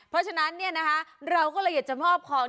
เพราะฉะนั้นเราก็เลยอยากจะมอบของ